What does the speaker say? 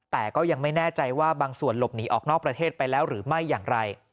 แต่ก็ยังไม่แน่ใจว่าบางส่วนหลบหนีออกนอกประเทศไปแล้วหรือไม่อย่างไร